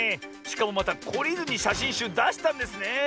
しかもまたこりずにしゃしんしゅうだしたんですねえ。